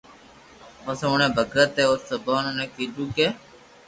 پسو اوڻي ڀگت اي او سپايو ني ڪيدو ڪي